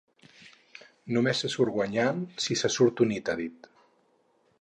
Només se surt guanyant si se surt unit, ha dit.